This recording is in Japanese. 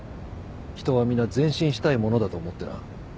人は皆前進したいものだと思ってな。